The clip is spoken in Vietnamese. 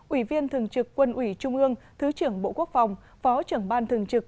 ủy viên thường trực quân ủy trung ương thứ trưởng bộ quốc phòng phó trưởng ban thường trực